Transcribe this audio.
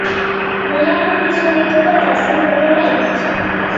Mila eginkizun ditugu, eta ezin denera iritsi.